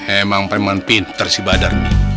emang memang pinter si badar nih